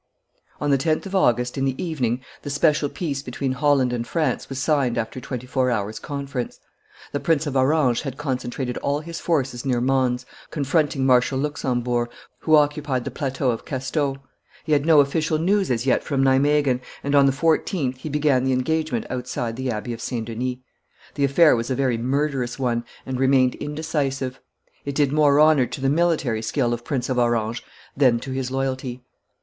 On the 10th of August, in the evening, the special peace between Holland and France was signed after twenty four hours' conference. The Prince of Orange had concentrated all his forces near Mons, confronting Marshal Luxembourg, who occupied the plateau of Casteau; he had no official news as yet from Nimeguen, and on the 14th he began the engagement outside the abbey of St. Denis. The affair was a very murderous one, and remained indecisive: it did more honor to the military skill of the Prince of Orange than to his loyalty.